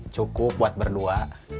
cukup buat berdua